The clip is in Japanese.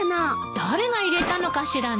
誰が入れたのかしらね。